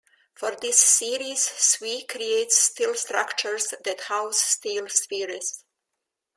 For this series Sui creates steel structures that house steel spheres.